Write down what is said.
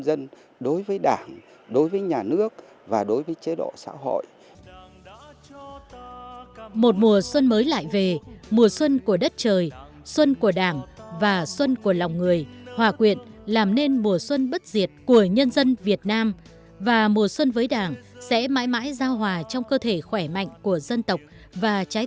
gần đây đảng rất kiên quyết trong việc đấu tranh chống lại suy thoái